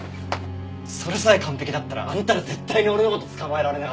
それさえ完璧だったらあんたら絶対に俺の事捕まえられなかったよね。